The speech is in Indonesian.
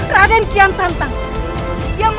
radin kian santang